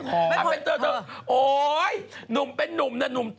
เอาเป็นเถอะโอ๊ยหนุ่มเป็นนุ่มนะหนุ่ม